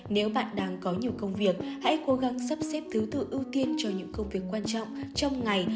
nếu bạn đang có nhiều công việc hãy cố gắng sắp xếp thứ tự ưu tiên cho những công việc quan trọng trong ngày